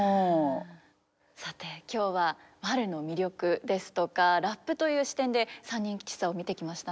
さて今日はワルの魅力ですとかラップという視点で「三人吉三」を見てきましたね。